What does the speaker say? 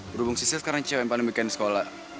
berhubung si sil sekarang cewek yang paling beken di sekolah